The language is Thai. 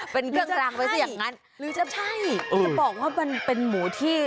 เป็นเครื่องรางไว้ซะอย่างนั้นหรือจะใช่จะบอกว่ามันเป็นหมูที่